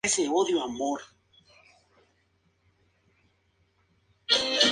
Este cargo hizo efectivamente a Juliano heredero presunto al trono imperial.